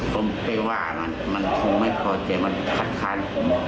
ผมไปว่ามันคงไม่พอใจมันคัดค้าน